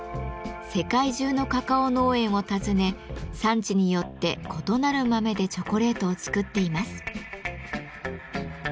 世界中のカカオ農園を訪ね産地によって異なる豆でチョコレートを作っています。